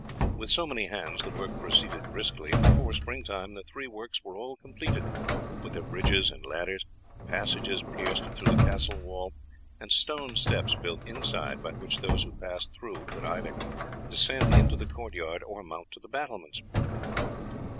With so many hands the work proceeded briskly, and before springtime the three works were all completed, with their bridges and ladders, passages pierced through the castle wall, and stone steps built inside by which those who passed through could either descend into the court yard or mount to the battlements.